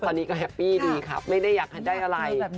ตอนนี้ก็แฮปปี้ดีค่ะไม่ได้อยากให้ได้อะไร